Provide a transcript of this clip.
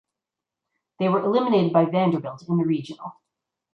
They were eliminated by Vanderbilt in the Regional.